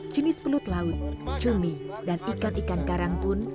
jenis penut laut cumi dan ikan ikan karang pun